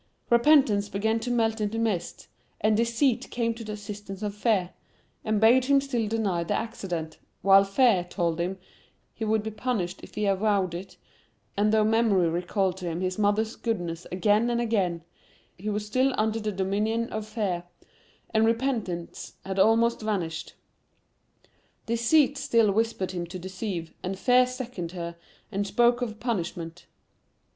Repentance began to melt into mist, and Deceit came to the assistance of Fear, and bade him still deny the accident, while Fear told him[Pg 12] he would he punished, if he avowed it,—and though Memory recalled to him his mother's goodness again and again, he was still under the dominion of Fear, and Repentance had almost vanished. Deceit still whispered him to deceive, and Fear seconded her, and spoke of punishment.